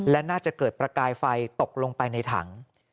และน่าจะเกิดประกายไฟตกลงไปในถัง